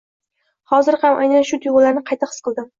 Hozir ham aynan shu tuyg’ularni qayta his qildim.